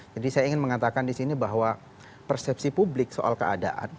jadi saya ingin mengatakan disini bahwa persepsi publik soal keadaan